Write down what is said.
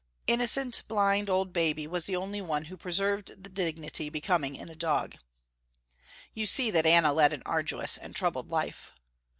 Innocent blind old Baby was the only one who preserved the dignity becoming in a dog. You see that Anna led an arduous and troubled life.